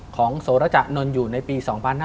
ของโสระจักรนนนต์อยู่ในปี๒๕๖๕